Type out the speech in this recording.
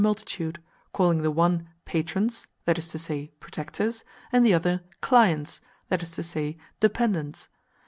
2 multitude, calling the one " patrons," that is to say, protectors, and the other "clients," that is to say, dependants.